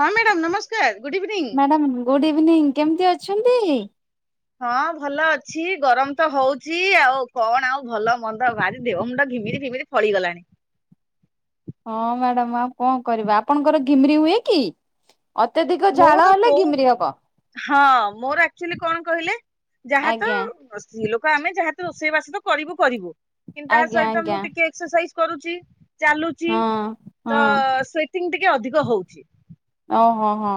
ହଁ ମ୍ୟାଡ଼ାମ ନମସ୍କାର good evening. Madam good evening କେମିତି ଅଛନ୍ତି? ହଁ ଭଲ ଅଛି ଗରମ ତ ହଉଚି ଆଉ କଣ ଆଉ ଭଲ ମନ୍ଦ ଭାରି ଦେହ ମୁଣ୍ଡ ଘିମିରି ଫିମିରି ଫଳିଗଲାଣି। ହଁ ମ୍ୟାଡାମ ଆଉ କଣ କରିବା ଆପଣଙ୍କର ଘିମିରି ହୁଏ କି? ଅତ୍ୟଧିକ ଝାଳ ମୋର ହେଲେ କୋଉ ଘିମିରି ହବ ହଁ ମୋର ଆକ୍ଚୁଲି କଣ କହିଲେ? ଯାହା ତ ଆଜ୍ଞା ସ୍ତ୍ରୀ ଲୋକ ଆମେ ଯାହା ରୋଷେଇବାସ ତ କରିବୁ କରିବୁ। କିନ୍ତୁ ତା ଆଜ୍ଞା ସହିତ ମୁଁ ଆଜ୍ଞା ଟିକେ ଏକ୍ସସାଇଜ କରୁଚି। ଚାଲୁଚି ହଁ ହଁ ତ ସ୍ଵେଟିଂ ଟିକେ ଅଧିକ ହଉଚି। ଓହୋ [inaudible] ହଁ।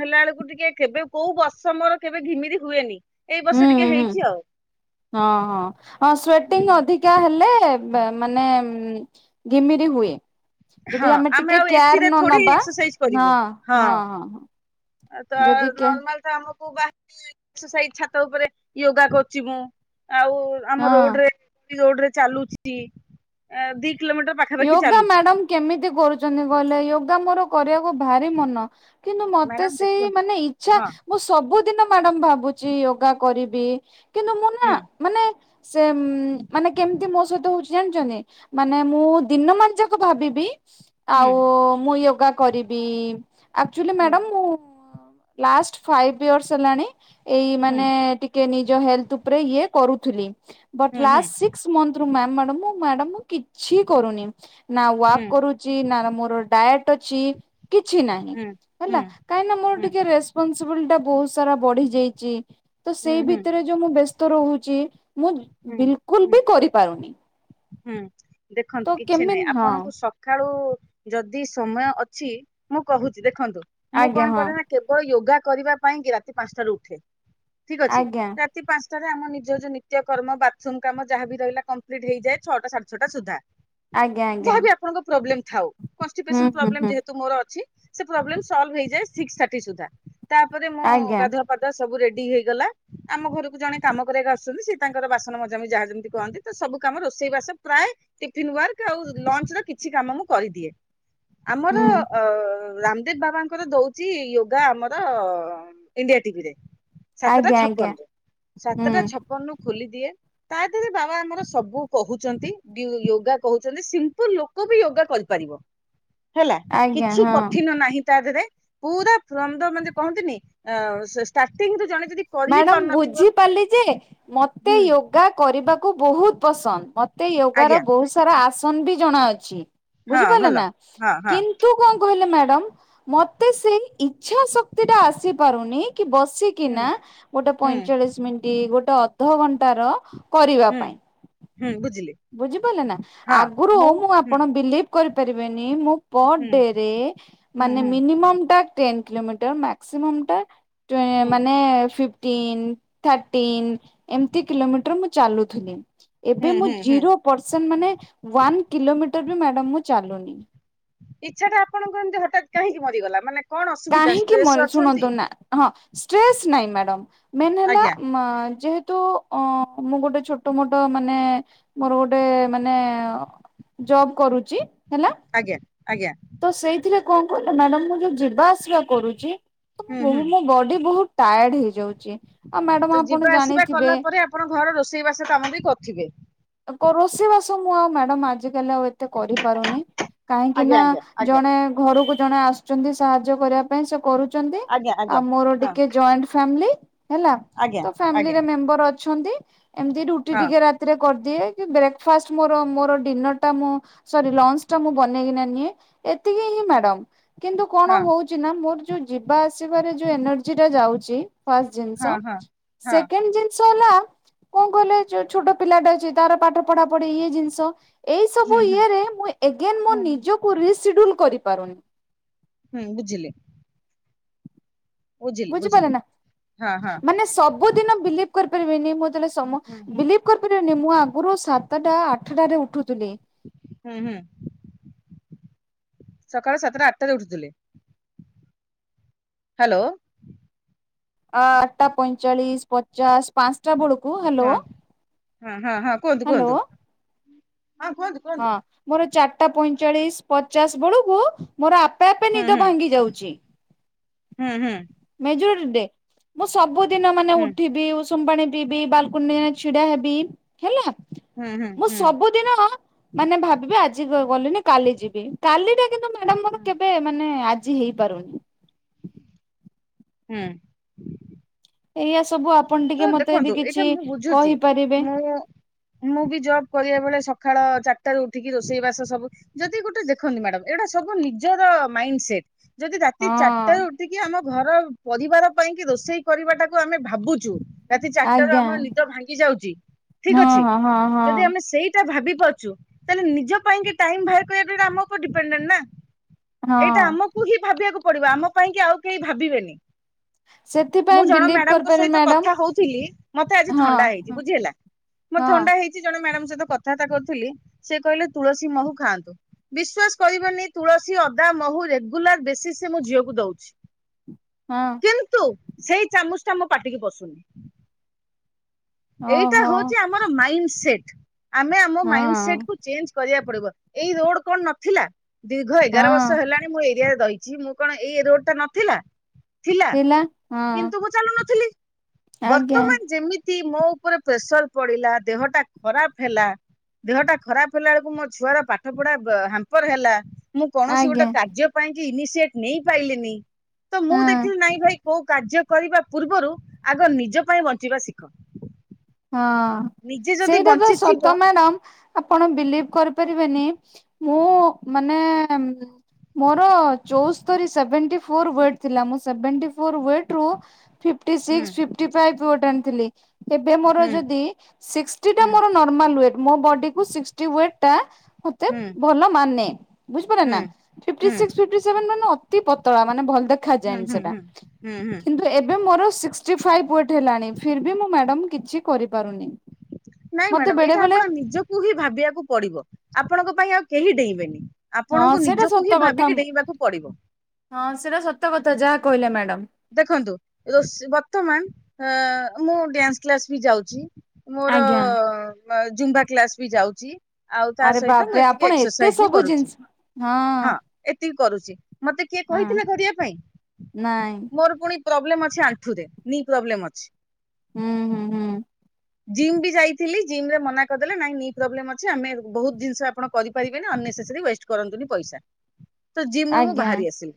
ହେଲାଆଳକୁ ଟିକେ କେବେ କୋଉ ବର୍ଷ ମୋର କେବେ ଘିମିରି ହୁଏନି। ଏଇ ବର୍ଷ ହୁଁ ଟିକେ ହୁଁ ହେଇଛି ଆଉ। [inaudible] ହଁ ହଁ ହଁ ଅଂ ସେଟିଙ୍ଗ ଅଧିକା ହେଲେ ବା ମାନେ ଘିମିରି ହୁଏ। ଯଦି ହଁ ଆମେ ଟିକେ ଆଉ କେୟାର ଏସିରେ ନ ଥୋଡି ନବା ଏକ୍ସସାଇଜ ହଁ କରିବୁ। ହଁ [inaudible] ତ ଯଦି କେ ନର୍ମାଲ ତ ଆମକୁ ମୁଁ ବା ଏକ୍ସରସାଇଜି ଛାତ ଉପରେ ୟୋଗା କରୁଚି ମୁଁ। ଆଉ ଆମ ହଁ ରୋଡ ରେ ରୋଡରେ ଚାଲୁଚି ଅଁ ଦି କିଲୋମିଟର ପାଖାପାଖି ୟୋଗା ଚାଲୁଚି। ମ୍ୟାଡାମ କେମିତି କରୁଚନ୍ତି କହିଲେ ୟୋଗା ମୋର କରିବାକୁ ଭାରି ମନ। କିନ୍ତୁ ମତେ ମ୍ୟାଡାମ ସେଇ ଦେଖନ୍ତୁ ମାନେ ଇଛା ହଁ ମୁଁ ସବୁ କିନ୍ତୁ ମ୍ୟାଡାମ୍ ଭାବୁଚି ୟୋଗା କରିବି କିନ୍ତୁ ମୁଁ ନା ହୁଁ ମାନେ ସେମ ମାନେ କେମିତି ମୋ ସହିତ ହଉଚି ଜାଣିଛନ୍ତି ମାନେ ମୁଁ ଦିନମାନ ଯାକ ଭାବିବି ଆଉ ହୁଁ ମୁଁ ୟୋଗା କରିବି ଆକ୍ଚୁଲି ମ୍ୟାଡାମ୍ ମୁଁ ଲାଷ୍ଟ ଫାଇଭ୍ ଇୟର୍ସ ହେଲାଣି ଏଇ ହୁଁ ମାନେ ଟିକେ ନିଜ ହେଲ୍ଥ ଉପରେ ଇଏ କରୁଥିଲି। ବଟ ହୁଁ ହୁଁ ଲାଷ୍ଟ ସିକ୍ସ ମନ୍ଥ ରୁ ମାମ ମ୍ୟାଡ଼ମ ମୁଁ ମ୍ୟାଡ଼ାମ ମୁଁ କିଛି କରୁନି। ନା ହୁଁ ୱାକ୍ କରୁଛି ନା ମୁ ଡାଏଟ୍ ଅଛି କିଛି ନାହିଁ ହୁଁ ହେଲା ହୁଁ କାହିଁକି ନା ମୋର ହୁଁ ଟିକେ ରେପନସିବୁଲ୍ ଟା ବହୁତ ସାରା ବଢି ଯାଇଚି ତ ହୁଁ ହୁଁ ସେଇ ହୁଁ ଭିତରେ ଯୋଉ ମୁଁ ବେସ ତ ରହୁଚି ମୁଁ ହୁଁ ବିଲକୁଲ ହୁଁ ବି କରିପାରୁନି। ହୁଁ। ଦେଖନ୍ତୁ ତ କିଛି ନାହିଁ କେମିତି ହଁ ଆପଣଙ୍କୁ ସକାଳୁ ଯଦି ସମୟ ଅଛି ମୁଁ କହୁଛି ଦେଖ ଖନ୍ତୁ ମୁଁ ଆଜ୍ଞା କଣ ହଁ କରେ ନା କେବଳ ୟୋଗା କରିବା ପାଇଁ କି ରାତି ପାଞ୍ଚଟାରୁ ଉଠେ। ଠିକ ଅଛି ଆଜ୍ଞା ରାତି ପାଞ୍ଚ। ରେ ଆମ ନିଜ ଯଉ ନିତ୍ୟକର୍ମ ବାଥରୁ କାମ ଯାହା ବି ରହିଲା କମ୍ପ୍ଲିଟ ହେଇଯାଏ । ଛଟା ସାଢ଼େ ଛଟା ସୁଧା। ଆଜ୍ଞା ଆଜ୍ଞା ଯାହାବି ଆପଣଙ୍କ ପ୍ରୋବ୍ଲେମ୍। ଥାଉ। ହୁଁ ହୁଁ କଷ୍ଟିପେଶନପ୍ରୋବେଲମ୍ ହୁଁ ଯେହେତୁ ମୋର ଅଛି। ସେ ପ୍ରୋବଲମ ସୋଲ୍ଭ ହେଇଯାଏ ସିକ୍ସ ଥାର୍ଟି ସୁଦ୍ଧା। ତାପରେ ମୁଁ ଆଜ୍ଞା ଗାଧୁଆ ପାଧୁଆ ସବୁ ରେଡି ହେଇଗଲା ଆମ ଘରକୁ ଜଣେ କାମ କରିଆକୁ ଆସୁଛନ୍ତି ସେ ତାଙ୍କର ବାସନ ମଜାମ ଯାହା ଯେମିତି କହନ୍ତି ତ ସବୁ କାମ ର ସେଇ ବାସ ପ୍ରାୟ ଟିଫିନ ୱାର୍କ ଆଉ ଲଞ୍ଚ ର କିଛି କାମ ମୁଁ କରିଦିଏ। ଆମର ହୁଁ ଅ ରାମଦେବ ବାବାଙ୍କର ଦଉଛି ୟୋଗା ଆମର ଇଣ୍ଡିଆ ଟିଭିରେ ସାତଟା ଆଜ୍ଞା ଛପନ ଆଜ୍ଞା ରୁ ସାତଟା ହୁଁ ଛପନ ରୁ ଖୋଲି ଦିଏ ତା ଦେହରେ ବାବା ଆମର ସବୁ କହୁଛନ୍ତି ।ୟୋଗା କହୁଛନ୍ତି ସିମ୍ପଲ ଲୋକ ବି ୟୋଗା କରିପାରିବ। ହେଲା ଆଜ୍ଞା କିଛି ହଁ କଠିନ ନାହିଁ ତା ଦେହରେ। ପୁରା ଫ୍ରମ ଦ ମାନେ କହନ୍ତିନି ଷ୍ଟାର୍ଟିଂ ର ଜଣେ ଯଦି କରି ବି ମ୍ୟାଡାମ ପାରୁନଥିବ ବୁଝିପାରିଲି ଯେ ମତେ ହୁଁ ୟୋଗା କରିବାକୁ ବହୁତ ପସନ୍ଦ ମତ ତେ ୟୋଗ ର ଆଜ୍ଞା ବହୁତ ସାରା ଆସ ନ ବି ଜଣା ଅଛି। ହଁ ବୁଝିପାରିଲେ ଭଲ। ନା ହଁ ହଁ କିନ୍ତୁ କଣ କହିଲେ ମ୍ୟାଡାମ ମତେ ସେଇ ଇଚ୍ଛା ଶକ୍ତି ଟା ଆସି ପାରୁନି କି ବସିକି ହୁଁ ନା ଗୋଟେ ହୁଁ ପଇଁଚାଳିଶ ମିନିଟ୍ ଗୋଟେ ଅଧଘଣ୍ଟା ତାର କରିବା ହୁଁ ପାଇଁ। ହୁଁ ବୁଝିଲି ବୁଝିପାରିଲେ ନା ହଁ ଆଗରୁ ମୁଁ ହୁଁ ଆପଣ ବିଲିଭ କରିପାରିବେନି ମୁଁ ପର ହୁଁ ଡେ ରେ ହୁଁ ମାନେ ହୁଁ ମିନିମ ଟା ଟେନ୍ କିଲୋମିଟର ମାକ୍ସିମମ୍ ଟା ଟ ହୁଁ ମାନେ ଫିଫ୍ ଟିନ୍ ଥାଟିନ୍ ଏମତି କିଲୋମିଟର ମୁଁ ଚାଲୁଥିଲି ହୁଁ ଏବେ ମୁଁ ହୁଁ ହୁଁ ଜିରୋ ପରସେଣ୍ଟ ମାନେ ୱାନ କିଲୋମିଟର ଇ ମ୍ୟାଡ଼ାମ ମୁଁ ଚାଲୁନି। ଇଚ୍ଛା ଟା ଆପଣଙ୍କ ଏମିତି ହଠାତ୍ କାହିଁକି ମରିଗଲା ମାନେ କଣ ଅସୁବିଧା କାହିଁକି ଷ୍ଟ୍ରେସ ମୋର ଅଛନ୍ତି ଶୁଣନ୍ତୁ ନା ହଁ। ଷ୍ଟ୍ରେସ୍ ନାହିଁ ମ୍ୟାଡ଼ମ୍ ମେନ୍ ହେଲା ଆଜ୍ଞା ମା ଯେହେତ ତୁ ଅ ମୁଁ ଗୋଟେ ଛୋଟ ମୋଟ ମାନେ ମୋର ଗୋଟେ ମାନେ ଜବ କରୁଛି ହେଲା ଆଜ୍ଞା ଆଜ୍ଞା ତ ସେଇଥିରେ କଣ କହିଲ ମ୍ୟାଡାମ ମୁଁ ଯୋଉ ଯିବା ଆସି ଆସିବା କରୁଚି ତ ହୁଁ ହୁଁ ଭୁଲ୍ ରେ ବଡ଼ି ବୋହୁତ ତାୟାଡ ହେଇଯାଉଛି ଆ ତ ମ୍ୟାଡ଼ାମ ଆପଣ ଯିବା ଆସିବା ଜାଣିଥିବେ। କଲା ପରେ ଆପଣ ଘର ରୋଷେଇବାସ କାମ ବି କରୁଥିବେ। ରୋଶେଇ ବାସ ମୁ ଆଉ ମ୍ୟ ମା ଆଜି କାଲି ଆଉ ଏତେ ତ କରିପାରୁନି କାହିଁକି ଆଜ୍ଞା ନା ଆଜ୍ଞା ଜଣେ ଘରକୁ ଜଣେ ଆସୁଛନ୍ତି ସାହାଯ୍ୟ କରିବା ପାଇଁ ସେ କରୁ ଛନ୍ତି ଆଜ୍ଞା ଆଜ୍ଞା ଆଜ୍ଞା ଆଉ ମୋର ହଁ ଟିକେ ଜଏଣ୍ଟ ଫାମିଲି। ହେଲା ଆଜ୍ଞା ତୋ ଆଜ୍ଞା ଫ୍ୟାମିଲିରେ ମେମ୍ବର ଅ ଅଛନ୍ତି। ଏମତି ରୁଟି ହଁ ଟିକେ ରାତିରେ କରିଦିଏ କି ବ୍ରେକଫାଷ୍ଟ ମୋର ମୋର ଡିନର ଟା ମୁଁ ସରି ଲଞ୍ଚ ଟା ମୁଁ ବନେଇ କିନା ନିଏ। ଏତିକି ହିଁ ମ୍ୟାଡାମ କିନ୍ତୁ କଣ ହଁ ହଉଛି ନା ମୋର ଯୋଉ ଯିବା ଆସିବାରେ ଯୋଉ ଏନର୍ଜି ଟା ଯାଉଚି ଫାଷ୍ଟ ଜିନିଷ ହଁ ହଁ ହଁ ସେକେଣ୍ଡ ଜିନିଷ ଷ ହେଲା କଣ କହିଲେ ଯୋଉ ଛୋଟ ପିଲାଟେ ଅଛି ତାର ପାଠ ପଢା ପଢି ଇଏ ଜିନିଷ ଏଇ ହୁଁ ସବୁ ହୁଁ ଇଏ ରେ ମୁଁ ଏଗେନ ମୋ ହୁଁ ନିଜକୁ ରିସ ସିଡୁଲ କରିପାରୁନି। ହୁଁ ବୁଝିଲି। ବୁଝିଲି ବୁଝିପାରିଲେ ବୁଝିଲି ନା ହଁ ହଁ ମାନେ ସବୁଦିନ ବିଲିଭ କରି ପାରିବେନି ମୋ ଯେତେବେଳେ ସମ ହୁଁ ବିଲିଭ କରିପାରିବେନି ମୁଁ ଆଗରୁ ସା ତଟା ଆଠ ଟାରେ ଉଠୁଥିଲି ହୁଁ ହୁଁ ସକାଳ ସାତଟା ଆଠଟାରେ ଉଠୁଥିଲେ। ହାଲୋ ଅ ଆଠଟା ପଇଁଚାଳିଶି ପଚାଶ ପାଞ୍ଚଟା ବେଳ କୁ ହାଲୋ ହଁ ହଁ। ହଁ ହଁ କୁହନ୍ତୁ କୁହନ୍ତୁ। ହଁ କୁହନ୍ତୁ ହଁ କୁହନ୍ତୁ ମୋର ଚାର ଟା ପଇଁଚାଳିଶି ପଚାଶ ବେଳକୁ ମୋର ଆପେ ଆପେ ହୁଁ ନିଦ ହୁଁ ଭାଙ୍ଗି ଯାଉଛି। ହୁଁ ହୁଁ। ଯୋର ଦେ ମୁଁ ସବୁ ଦିନ ମାନେ ହୁଁ ଉଠିବି ଉ ଷୁମ ପାଣି ପିଇବି ବାଲକୁନି ରେ ଛିଡା ହେବି ହେଲା। ହୁଁ ମୁଁ ହୁଁ ସବୁଦିନ ମାନେ ଭାବିବେ ଆ ଆଜି ଗ ଗଲିନି କାଲି ଯିବି କାଲିଟା କିନ୍ତୁ ମ୍ୟାଡାମ ମୋର ହୁଁ କେବେ ମାନେ ଆ ଜି ହେଇପାରୁନି। ହୁଁ। ଏଇଆ ସବୁ ଆ ତ ଦେଖନ୍ତୁ ଏଇଟା ମୁଁ ବୁଝୁଛି ମୁଁ ମୁଁ ବି ଜବ କରିବା ବେଳେ ସକାଳ ଚାରିଟାରୁ ଉଠିକି ରୋଷେଇ ବାସ ସବୁ ଯଦି ଗୋଟେ ଦେଖନ୍ତୁ। ମ୍ୟାଡମ ଏଇଟା ସବୁ ନିଜର ମାଇଣ୍ଡ ସେଟ ଯଦି ରାତି ଚାରିଟ ର ହଁ ଉଠିକି ଆମ ଘର ପରିବାର ପାଇଁ କି ରୋଷେଇ କରିବା ଟାକୁ ଆମେ ଭାବୁଚୁ ରାତି ଚାରିଟାରୁ ଆଜ୍ଞା ଆମର ନିଦ ଭାଙ୍ଗି ଯାଉଚି ହଁ ଠିକ ଅଛି। ହଁ ହଁ ହଁ ଯଦି ଆମେ ସେଇ ଭାବି ପାରୁଛୁ ତାହେଲେ ନିଜ ପାଇଁ କି ଟାଇମ ବାହାର କରିବା ଆମ ଉପ ଡିପେନଡେଡ ନା ଏଇଟା ହଁ। ଆମକୁ ହିଁ ଭାବିବାକୁ ପଡିବା ଆମ ପାଇଁ କି ଆଉ କେହି ଭାବିବେନି। ସେଥିପାଇଁ ବିଲିଭ କରିପାରିବି ମ୍ୟାଡାମ ଭାବୁଥିଲ ମତେ ଆଜି ହଁ ଥଣ୍ଡା ହେଇଛି ହଁ ବୁଝି ହେଲା ମତେ ଥଣ୍ଡା ହେଇଚି ମ୳୲ଡାମ ସହିତ କଥାବାର୍ତା କରୁଥିଲି। ସେ କହିଲେ ତୁଳସୀ ମହୁ ଖାଆନ୍ତୁ। ବିଶ୍ଵାସ କରିବେନି ତୁଳସୀ ଅଦା ମହୁ ରେଗୁଲାର ବେସିଶ ମୋ ଝିଅକୁ ଦଉଛି। ହଁ। କିନ୍ତୁ ସେଇ ଚାମୁଚ ଟା ମୁଁ ପାାଟିକି ପସ [inaudible] ଏଇଟା ଓହୋ ହଉଛି ଆମର ମାଇଣ୍ଡ ସେଟ୍ ଆମେ ଆମ ମାଇଣ୍ଡ ସେଟ୍ ହଁ କୁ ଚେଞ୍ଜ କରିଆକୁ ପଡିବ। ଏଇ ରୋଡ କଣ ନଥିଲା ଦୀର୍ଘ ଏଗାର ବର୍ଷ ହଁ ହେଲାଣି ମୁଁ ଏ ଏରିଆ ରହିଛି ମୁଁ କଣ ଏଇ ରୋଡ ଟା ନଥିଲା ଥିଲା କିନ୍ତୁ ମୁଁ ଚାଲୁ ନଥିଲି ଆଜ୍ଞା ବର୍ତ୍ତମାନ ଯେମିତି ମୋ ଉପରେ ପ୍ରେସର ପଡିଲା ଦେହଟା ଖରାପ ହେଲା ଦେହଟା ଖରାପ ହେଲା ବେଳକୁ ମୋ ଛୁଆର ପାଠ ପଢା ହମ୍ପର ହେଲା। ମୁଁ କୌଣସି ଗୋଟେ ଆଜ୍ଞା। କାର୍ଯ୍ୟ ପାଇଁ ଇନସିଏଟ ନେଇ ପାଇିଲିନି ତ ହଁ ମୁଁ ଦେଖିଲି ନାଇଁ ଭାଇ କୋଉ କାର୍ଯ୍ୟ କରିବା ପୂର୍ବରୁ ଆଗ ନିଜ ପାଇଁ ବଞ୍ଚିବା ଶିଖ। ହଁ ନିଜେ ଯଦି ସେଇଟା ତ ବଞ୍ଚିଥିବ ସତ ମ୍ୟାଡ଼ମ୍ ଆପଣ ବିଲିଭ କରିପାରିବେନି ମୁଁ ମାନେ ମୋର ଚଉସ୍ତରି ସେଭେଣ୍ଟୀ ଫୋର ୱେଟ୍ ଥିଲା ମୁ ସେଭେଣ୍ଟୀ ଫୋର ୱେଟ୍ ରୁ ଫିଫ୍ଟି ହୁଁ ସିକ୍ସ ଫିଫଟି ଫାଇପ ୱେଟ୍ ଆଣିଥିଲି ଏ ବେ ମୋର ହୁଁ ଯଦିି ସିକ୍ସଟି ଟା ହୁଁ ମୋର ନରମାଲ ୱେଟ୍ ମୋ ବଡି କୁ ସିକଟି ୱେଟ ଟା ମତେ ହୁଁ ଭଲ ମାନେ ବୁଝିପାରିଲ ହୁଁ ନା ଫିଫ୍ଟି ସିକ୍ସ ହୁଁ ଫିଫ୍ଟୀସେଭେନ ମାନେ ଅ ଅତି ପତଳା ମାନେ ଭଲ ହୁଁ ଦେଖାଯାଏନି ହୁଁ ସେଟା ହୁଁ ହୁଁ ହୁଁ କିନ୍ତୁ ଏବେ ମୋର ସିକ୍ସି ଫାଇଭ ୱେଟ୍ ହେଲାଣି ଫିର୍ ବି ମୁ ମ୍ୟାଡ଼ାମ। କିଛି କରିପାରୁନି। ନାଇଁ ମତେ ମ୍ୟାଡାମ ବେଳେ ଏଇଟା ବେଳେ ଆପଣ ନିଜକୁ ହି ଭାବିବାକୁ ପଡିବ ଆପଣଙ୍କ ପାଇଁ ଆଉ। କେହି ଡେଇଁବେନି। ହଁ ଆପଣଙ୍କୁ ସେଇଟା ନିଜକୁ ହିଁ ସତ କଥା ଭାବିକି ଡେଇଁବାକୁ ପଡିବ ।ହଁ ସେଇଟା ସତ କଥା ଯାହା। କହିଲେ ମ୍ୟାଡ଼ାମ। ଦେଖନ୍ତୁ ରୋସ ବର୍ତ୍ତମାନ ହଁ ମୁଁ ଡ୍ୟାନ୍ସ କ୍ଲାସ ବି ଯାଉଛି। ମୋର। ଆଜ୍ଞା। ଜୁମ୍ବା କ୍ଲାସ ବି ଯାଉଛି। ଆଉ ତା ଆରେ ସହିତ ମୁଁ ବାପରେ ଏତିକି ଆପଣ ଏତେ ଏକ୍ସରସାଇଜ ବି ସବୁ କରୁଛି ଜିନିଷ ହଁ ଏତିକି କରୁଛି ମତେ କିଏ ହଁ କହିଥିଲା କରିବା ପାଇଁ। ନାଇଁ ପୁଣି ପ୍ରବ୍ଲେମ ଅଛି ଆଣ୍ଠୁରେ ନି ପ୍ରବ୍ଲେମ ଅଛି। ହୁଁ ହୁଁ ହୁଁ ଜିମ୍ ବି ଯାଇଥିଲି। ଜିମ ରେ ମନା କରିଦେଲେ ନାଇଁ ନି ପ୍ରୋବ୍ଲେମ୍ ଅଛି ଆମେ ବହୁତ୍ ଜିନିଷ ଆପଣ କରିପାରିବେନି ଅନନେସେସାରି ୱେଷ୍ଟ କରନ୍ତୁନି ପଇସା। ତ ଜିମ ରୁ ମୁଁ ଆଜ୍ଞା ବାହାରି ଆସିଲି।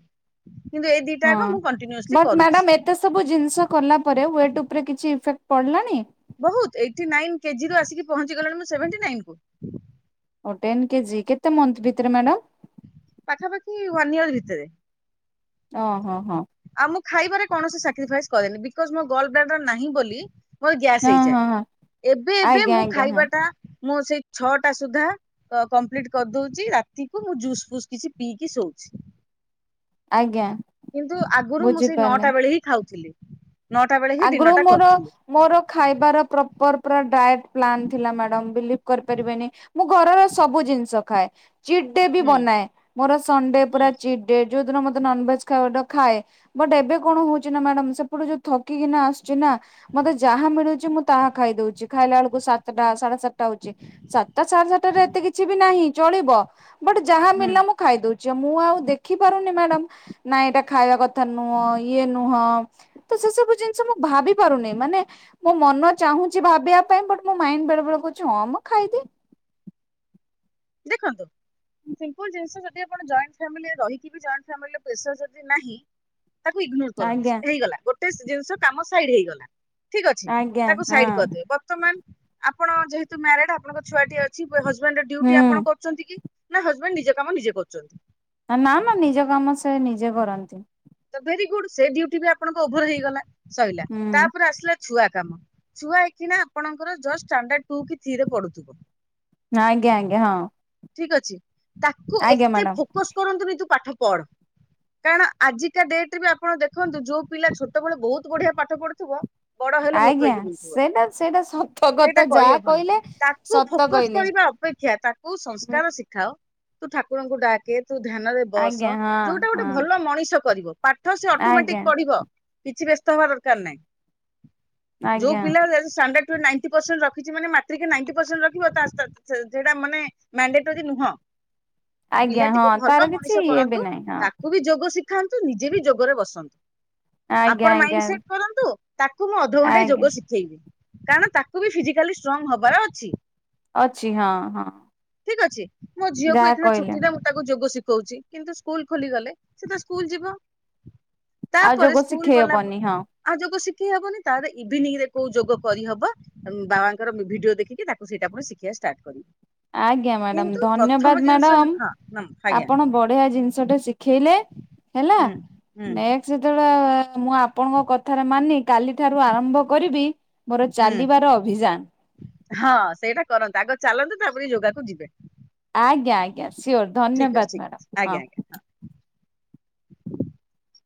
କିନ୍ତୁ ଏ ଦିଟାକ ହଁ। ମୁଁ। କଣ୍ଟିନ୍ୟୁସଲି ବଟ୍ କରୁଛି। ମ୍ୟାଡାମ ଏତେ ସବୁ ଜିନିଷ କଲା ପରେ ୱେଟ ଉପରେ କିଛି ସେଟ ପଡ଼ିଲାଣି? ବହୁତ ଏଇଟନାଇନ କେଜି ରୁ ଆସିକି ପହଞ୍ଚି ଗଲାଣି ମୁ ସେଭେଣ୍ଟିନାଇନ । ଓ ଟେନ୍ କେଜି କେତେ ତେ ମନ୍ତ ଭିତରେ ମ୍ୟାଡ଼ାମ? ୱାନ ଏଆର ଭିତରେ। ଓ ହୋ ହଁ। କଜ୍ ମୋ ଗ୍ଲୋଡବ୍ଲାଡର ନାହି ବୋଲି ମୋର ଗ୍ୟାସ୍ ହଁ ହଁ ହଁ ହେଇଯାଏ ।ଏବେ ଏବେ ଆଜ୍ଞା ମୁଁ ଆଜ୍ଞା ହଁ ଖାଇବାଟା ମୁଁ ସେଇ ଛଅଟା ସୁଦ୍ଧା କମ୍ପ୍ଲିଟ କରିଦଉଛି ରାତିକୁ ମୁଁ ଜୁସ୍ ଫୁସ୍ କିଛି ପିଇକି ଶୋଉଛି। ଆଜ୍ଞା। କିନ୍ତୁ ଆଗରୁ ମୁଁ ସେଇ ବୁଝିପାରିଲି। ନଅଟା ବେଳେ ହିଁ ଖାଉଥିଲି। ନଅଟା ବେଳେ ହିଁ ଡିନର ଆଗରୁ ଟା ମୋର କରୁଥିଲି। ମୋର ଖାଇବାର ପ୍ର ପ୍ର ପ୍ ର ଡାଏଟ ପ୍ଲାନ୍ ଥିଲା ମ୍ୟାଡ଼ାମ ବିଲିଭ କରିପାରିବେନି ।ମୁଁ ଘରର ସବୁ ଜିନିଷ ଖାଏ।। ଚିଟ୍ ଡେ ବି ହୁଁ ବନାଏ ମୋର ସଣ୍ଡେ ପୁରା ହୁଁ ଚି୍ ଡେ। ଯୋଉ ଦିନ ମତେ ନନଭେଜ ଖାଏ। ବଟ ଏବେ କଣ ହଉଛି ନା ମ୍ୟାଡ଼ାମ ସେପଟୁ ଯୋଉ ଥ । ଠିକ ରେ ନ ଆସୁ ନା ମତେ ଯାହା ମିଳୁଛି ମୁଁ ତାହା ଖାଇଦଉଛି ଖାଇଲା ବେଳକୁ ସାତଟା ସାଢେ ସାତଟା ହଉଛି ସାତଟା ସାଢେ ସାତଟାରେ ଏତେ କିଛି ବି ନାହିଁ। ଚଳିବ। ବଟ୍ ଯାହା ହୁଁ ମଳିଲା ମୁଁ ଖାଇଦଉଛି। ମୁଁ ଆଉ ଦେଖିପାରୁନି ମ୍ୟାଡାମ ନାଇଁ ଏଇଟା ଖାଇବା କଥା ନୁହଁ ଇଏ ନୁହଁ ତ ସେ ସବୁ ଜିନିଷ ମୁଁ ଭାବି ପାରୁନି ମାନେ ମୋ ମନ ଚାହୁଁଛି ଭାବିବା ପାଇଁ ମୋ ମାଇଣ୍ଡ ବେଳେ ବେଳେ ହଁ ମ ଖାଇଦିଏ। ଦେଖନ୍ତୁି ସିମ୍ପୁଲ ଜିନିଷ ଯଦି ଆପଣ ଯଏଣ୍ଟ ଫାମିଲିରେ ରହିିକିବି ଯଏଣ୍ଡ ଫେସର ଯଦି ନାହିଁ ତାକୁ ଇ୍ଗନୋର କରନ୍ତୁ ଆଜ୍ଞା ସେ ହେଇଗଲା। ଗୋଟେ ଜିନିଷ କାମ ସାଇଡ ହେଇଗଲା। ଠିକ୍ ଅଛି ଆଜ୍ଞା ତାକୁ ସାଇଡ ହଁ କରିଦେ ବର୍ତ୍ତମାନ? ଆପଣ ଯେହେତୁ ମ୍ୟାରେଡ ଆପଣଙ୍କ ଛୁଆଟି ଅଛି ହଜବେଣ୍ଡର ହୁଁ ଡିଉଟି ଆ ନା ହଜବେଣ୍ଡ ନିଜେ କାମ ନିଜେ କରୁଛନ୍ତି। ନା ନା ନିଜ କାମ ସେ ନିଜେ କରନ୍ତି। ତ ଭେରି ଗୁଡ ସେ ଡଟି ବି ଆପଣଙ୍କ ଓଭର ହେଇଗଲା। ସଇଲା ହୁଁ ତାପରେ ଆସିଲା ଛୁଆ କାମ ଛୁଆ ଏଇନା ଆପଣଙ୍କର ଜଷ୍ଟ ଷ୍ଟାଣ୍ଡାଡ ଟୁ କି ଥ୍ରୀ‌ ରେ ପଢୁଥିବ। ଆଜ୍ଞା ଆଜ୍ଞା ହଁ। ଠିକ ଅଛି। ତାକୁ ଆଜ୍ଞା ଏତେ ମ୍ୟାଡାମ ଫୋକସ କରନ୍ତୁନି ତୁ ପାଠ ପଢ [inaudible] କାରଣ ଆଜି କା ଡେଟ ରେ ଆପଣ ଦେଖନ୍ତୁ ଯୋଉ ପିଲା ଛୋଟବେଳେ ବହୁତ ବଢିଆ ପାଠ ପଢୁଥିବ ବଡ ହେଲେ ମୂର୍ଖ ଆଜ୍ଞା ହୋଇକି ବୁଲୁଥିବ ସେଇଟା ସେଇଟା ସତ [inaudible] କଥା ସେଇଟା ଯାହା କହିହବନି କହିଲେ ତାକୁ ସତ ଫୋକସ କହିଲେ କରିବା ଅପେକ୍ଷା ତାକୁ ହୁଁ ସଂସ୍କାର ଶିଖାଅ। ତୁ ଠାକୁରଙ୍କୁ ଡାକେ ତୁ ଧ୍ୟାନରେ ବସ ଆଜ୍ଞା ହଁ ଯୋଉଟା ଗୋଟେ ହଁ ଭଲ ମଣିଷ ପାଠ ସେ ଆଜ୍ଞା ଅଟମେଟିକ ପଢିବ। କିଛି ବ୍ୟସ୍ତ ହବା ଦରକାର ନାହିଁ। [inaudible] ଯୋଉ ଆଜ୍ଞା ପିଲା ଷ୍ଟାଣ୍ଡାଡ ନାଇଣ୍ଟି ପ୍ରଷେଣ୍ଟ ରଖିଛି, ମାନେ ମାତ୍ର ନାଇଣ୍ଟି ରଖିବଟା ମାନେ ମାଣ୍ଡେଟୋରି ନୁହଁ। ଆଜ୍ଞା ହଁ ପିଲାଟିକୁ ତାର ଭଲ କିଛି ମଣିଷ ଇଏ ବି କରନ୍ତୁ, ନାହିଁ ହଁ ତାକୁ ବି ଯୋଗ ଶିକ୍ଷା ଖାନ୍ତୁ ନିଜେ ବି ଯୋଗରେ ବସନ୍ତୁ। ଆଜ୍ଞା ଆପଣ ଆଜ୍ଞା ମାଇଣ୍ଡ ସେଟ କରନ୍ତୁ ତାକୁ ମୁଁ ଅଧଘଣ୍ଟା ଆଜ୍ଞା ଯୋଗ ଶିଖେଇବି। କାରଣ ତାକୁ ବି ଫିଜିକାଲି ଷ୍ଟ୍ରଙ୍ଗ ହବାର ଅଛି। ଅଛି ହଁ ହଁ। ଠିକ୍ ଅଛି। ମୋ ଝିଅକୁ ଯାହା ଏଖାନ କହିଲେ ଛୁଟିଟା ମୁଁ ତାକୁ ଯୋଗ ଶିଖି କହୁଛି କିନ୍ତୁ ସ୍କୁଲ ଖୋଲିଗଲେ ସେ ତ ସ୍କୁଲ ଯିବ। [inaudible] ଆଉ ତାପରେ ଯୋଗ ସ୍କୁଲ ଶିଖେଇ ଗଲା ବ ହବନି ହଁ। ଆଉ ଯୋଗ ଶି ଶିଖି ହବନି ତାରେ ଇଭିନିଂ ରେ କୋଉ ଯୋଗ କରି ହବ ବାବାଙ୍କର ବି ଭିଡିଓ ଦେଖିକି ତାକୁ ସେଇଟା ପୁଣି ଶିଖେଇଆ ଷ୍ଟାର୍ଟ କରିବି। ଆଜ୍ଞା ମ୍ୟାଡାମ କିନ୍ତୁ ଧନ୍ୟବାଦ ପ୍ରଥମ ଜିନିଷ ହଁ ମ୍ୟାଡାମ ନମ [inaudible] ଆଜ୍ଞା ଆପଣ ବଢିଆ ଜିନିଷ ଟେ ଶିଖେଇଲେ ହେଲା ହୁଁ ହୁଁ ନେକ୍ସ୍ଟ ଯେତେବେଳେ ବା ମୁଁ ଆପଣଙ୍କ କଥାରେ ମାନି କାଲି ଠାରୁ ଆରମ୍ଭ କରିବି ମୋର ହୁଁ ଚାଲିବାର ଅଭିଯାନ ହଁ ସେଇଟା କରନ୍ତୁ ଆଗ ଚାଲନ୍ତୁ ତାପରେ ଯୋଗାକୁ ଯିବେ। ଆଜ୍ଞା ଆଜ୍ଞା ସିଓର ଠିକ ଅଛି ଧନ୍ୟବାଦ ଠିକ ଅଛି ମ୍ୟାଡ଼ମ ଆଜ୍ଞା ଆଜ୍ଞା ହଁ। [inaudible] [inaudible]